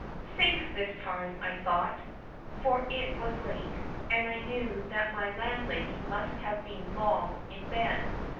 "Safe this time!" I thought; for it was late, and I knew that my landlady must have been long in bed.